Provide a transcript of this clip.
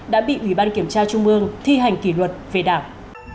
đã bị ủy ban kiểm tra trung ương thi hành kỷ luật về đảng